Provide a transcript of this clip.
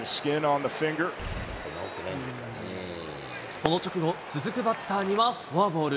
その直後、続くバッターにはフォアボール。